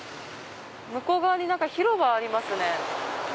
向こう側に広場ありますね。